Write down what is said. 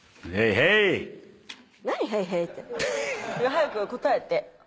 早く答えて。